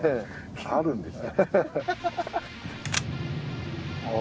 あるんです。